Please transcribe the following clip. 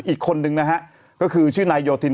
อีกคนนึงนะฮะก็คือชื่อนายโยธิน